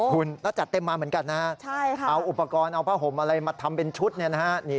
คุณแล้วจัดเต็มมาเหมือนกันนะฮะเอาอุปกรณ์เอาผ้าห่มอะไรมาทำเป็นชุดเนี่ยนะฮะ